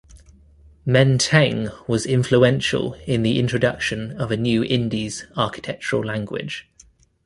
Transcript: Menteng was influential in the introduction of a new Indies architectural language.